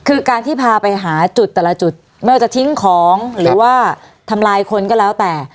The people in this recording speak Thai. คือการที่พาไปหาจุดแต่ละจุดไม่ว่าจะทิ้งของหรือว่าทำลายคนก็แล้วแต่